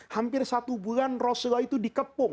hampir satu bulan rasulullah itu dikepung